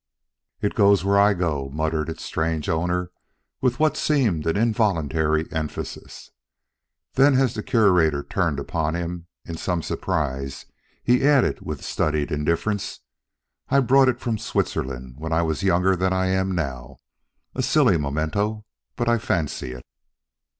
"It goes where I go," muttered its strange owner with what seemed an involuntary emphasis. Then as the Curator turned upon him in some surprise, he added with studied indifference: "I brought it from Switzerland when I was younger than I am now a silly memento, but I fancy it."